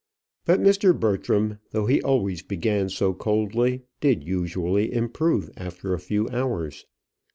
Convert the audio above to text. But Mr. Bertram, though he always began so coldly, did usually improve after a few hours.